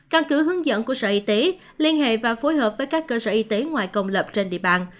căn cứ hướng dẫn của sở y tế liên hệ và phối hợp với các cơ sở y tế ngoài công lập trên địa bàn